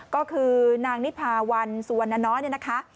ก็คือนางนิพาวันสุวรรณน้อยเนี่ยนะคะ